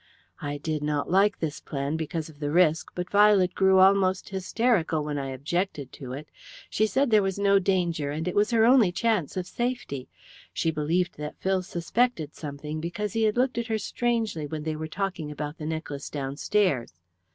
"I did not like this plan because of the risk, but Violet grew almost hysterical when I objected to it. She said there was no danger, and it was her only chance of safety. She believed that Phil suspected something, because he had looked at her strangely when they were talking about the necklace downstairs.